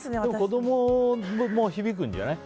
子供も響くんじゃない？